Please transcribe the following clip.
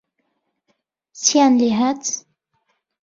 چییان لێهات